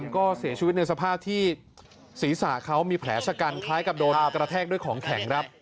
ก็เสียชีวิตในสภาพที่ศีรษะเขามีแผลชะกันคล้ายกับโดนกระแทกด้วยของแข็งครับ